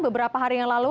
beberapa hari yang lalu